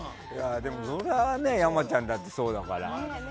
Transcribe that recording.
でもそりゃ山ちゃんだってそうだから。